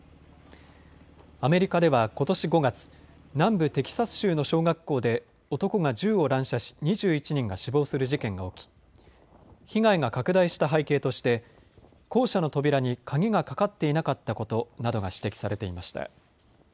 アメリカではことし５月、南部テキサス州の小学校で男が銃を乱射し２１人が死亡する事件が起き被害が拡大した背景として校舎の扉に鍵がかかっていなかったことなどが指摘されていました。